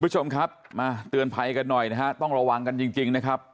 คุณผู้ชมครับมาเตือนภัยกันหน่อยนะฮะต้องระวังกันจริงนะครับ